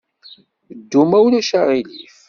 Ddu, ma ulac aɣilif.